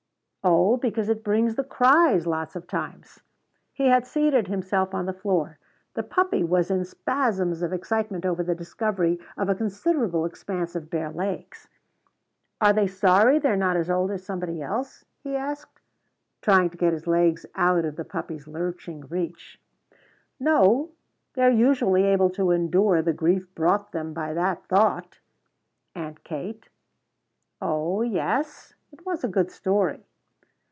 "Oh, because it brings the cries lots of times." He had seated himself on the floor. The puppy was in spasms of excitement over the discovery of a considerable expanse of bare legs. "Are they sorry they're not as old as somebody else?" he asked, trying to get his legs out of the puppy's lurching reach. "No, they're usually able to endure the grief brought them by that thought." "Aunt Kate?" "Oh yes?" It was a good story.